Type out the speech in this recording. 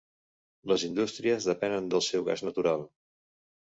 Les indústries depenen del seu gas natural.